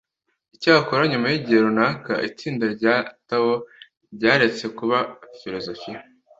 icyakora nyuma y’igihe runaka itsinda rya tao ryaretse kuba filozofiya